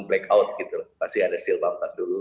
break out pasti ada still bump up dulu